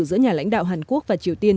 giữa nhà lãnh đạo hàn quốc và triều tiên